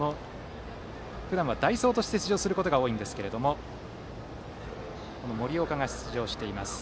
ふだんは代走として出場することが多いんですが森岡が出場しています。